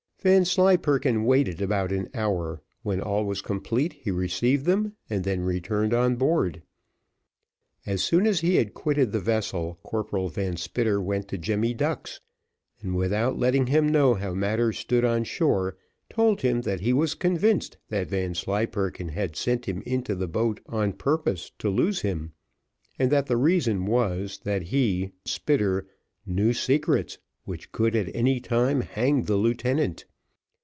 Vanslyperken waited about an hour; when all was complete he received them, and then returned on board. As soon as he had quitted the vessel, Corporal Van Spitter went to Jemmy Ducks, and without letting him know how matters stood on shore, told him that he was convinced that Vanslyperken had sent him into the boat on purpose to lose him, and that the reason was, that he, Van Spitter, knew secrets which would at any time hang the lieutenant.